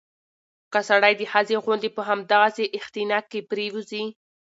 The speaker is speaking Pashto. که سړى د ښځې غوندې په همدغسې اختناق کې پرېوځي